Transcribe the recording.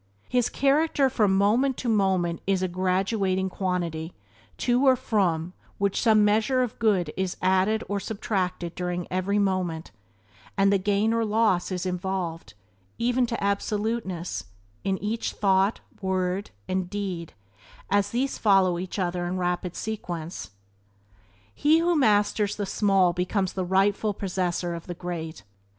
His character from moment to moment is a graduating quantity, to or from which some measure of good is added or subtracted during every moment, and the gain or loss is Byways to Blessedness by James Allen 11 involved, even to absoluteness, in each thought, word, and deed as these follow each other in rapid sequence. He who masters the small becomes the rightful possessor of the great.